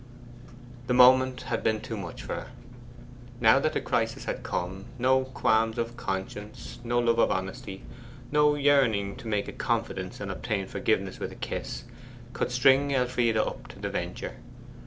The moment had been too much for her. Now that the crisis had come, no qualms of conscience, no love of honesty, no yearning to make a confidence and obtain forgiveness with a kiss, could string Elfride up to the venture.